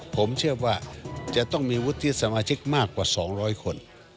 ผมเชื่อว่าจะต้องมีวุฒิสมาชิกมากกว่า๒๐๐คน